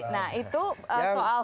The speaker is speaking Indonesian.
nah itu soal hukum